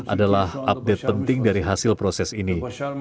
adalah update penting dari hasil proses ini